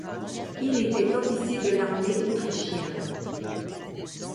Il était officier de l'armée autrichienne.